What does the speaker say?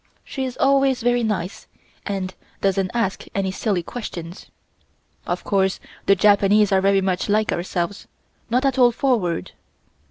She is always very nice and doesn't ask any silly questions. Of course the Japanese are very much like ourselves, not at all forward.